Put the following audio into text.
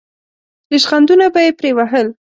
ریشخندونه به یې پرې وهل.